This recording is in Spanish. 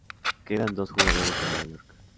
Quedan dos jugadores de Nueva York.